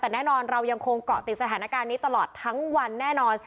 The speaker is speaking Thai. แต่แน่นอนเรายังคงเกาะติดสถานการณ์นี้ตลอดทั้งวันแน่นอน